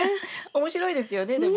面白いですよねでも。